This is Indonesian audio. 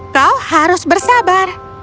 kau harus bersabar